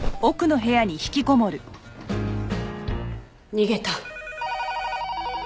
逃げた。